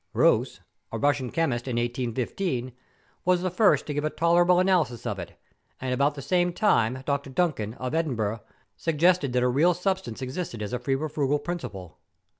Eeuss, a Eussian chemist, in 1815, was the first to give a tolerable analysis of it; and about the same time Dr. Duncan, of Edinburgh, suggested that a real substance existed as a febrifugal principle.